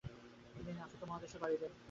তিনি আফ্রিকা মহাদেশে পাড়ি দেন।